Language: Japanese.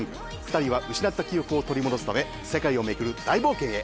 ２人は失った記憶を取り戻すため世界を巡る大冒険へ！